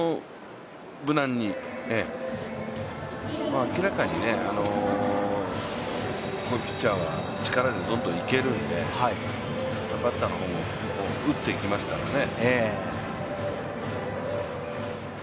無難に、明らかにこのピッチャーは力でどんどんいけるんでバッターの方も打っていきますからね。